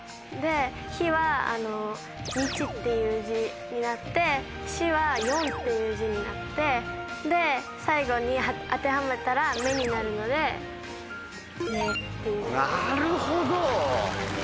「ひ」は日っていう字になって「し」は四っていう字になって最後に当てはめたら目になるので「め」っていう。